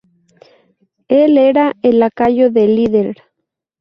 Él era un lacayo del Líder.